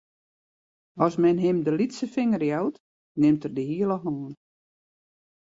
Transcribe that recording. As men him de lytse finger jout, nimt er de hiele hân.